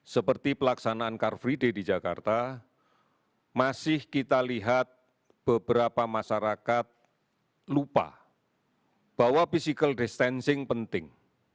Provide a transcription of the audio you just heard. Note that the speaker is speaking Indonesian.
seperti pelaksanaan car free day di jakarta masih kita lihat beberapa masyarakat lupa bahwa physical distancing penting